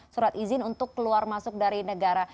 surat izin untuk keluar masuk dari negara